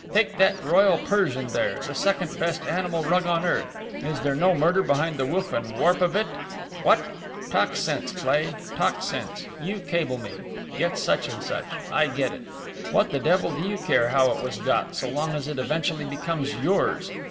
Take that royal Persian there the second best animal rug on earth is there no murder behind the woof and warp of it? What? Talk sense, Cleigh, talk sense! You cable me: Get such and such. I get it. What the devil do you care how it was got, so long as it eventually becomes yours?